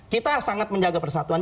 kita sangat menjaga persatuan